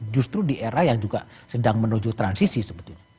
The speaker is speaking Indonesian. justru di era yang juga sedang menuju transisi sebetulnya